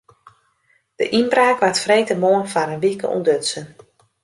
De ynbraak waard freedtemoarn foar in wike ûntdutsen.